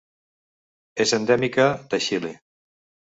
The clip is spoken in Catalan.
És endèmica de Xile.